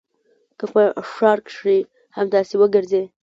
که په ښار کښې همداسې وګرځې.